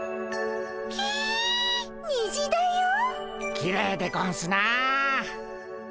きれいでゴンスなあ。